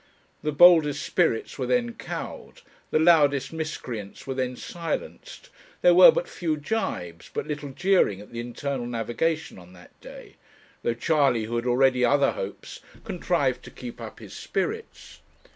The boldest spirits were then cowed, the loudest miscreants were then silenced, there were but few gibes, but little jeering at the Internal Navigation on that day; though Charley, who had already other hopes, contrived to keep up his spirits.